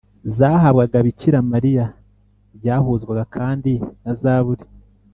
zahabwaga bikira mariya byahuzwaga kandi na zaburi